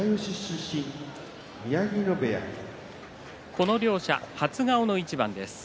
この両者、初顔の一番です。